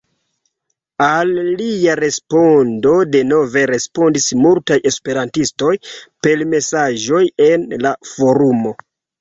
Al lia respondo denove respondis multaj Esperantistoj per mesaĝoj en la forumo.